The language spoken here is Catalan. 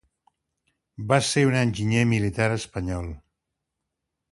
Va ser un enginyer militar espanyol.